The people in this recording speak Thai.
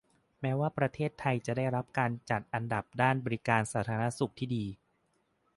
แม้ว่าประเทศไทยจะได้รับการจัดอันดับด้านบริการสาธารณสุขดี